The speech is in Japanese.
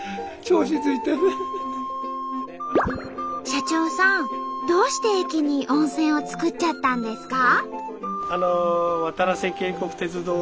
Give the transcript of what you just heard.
社長さんどうして駅に温泉を作っちゃったんですか？